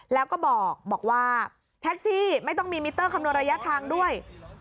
แล้วก็บอกว่าแท็กซี่ไม่ต้องมีมิเตอร์คำนวณระยะทางด้วย